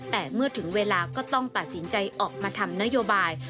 แต่เมื่อถึงเวลาก็ต้องตัดสินใจออกมาทำนโยบาย